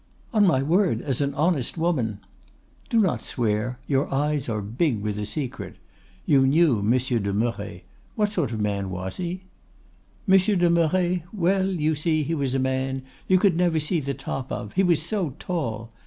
"'On my word, as an honest woman——' "'Do not swear; your eyes are big with a secret. You knew Monsieur de Merret; what sort of man was he?' "'Monsieur de Merret—well, you see he was a man you never could see the top of, he was so tall!